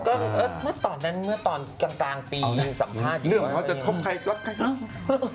ก็เมื่อตอนนั้นเมื่อตอนกลางกลางปีสัมภาษณ์อยู่เรื่องของเขาจะทบใคร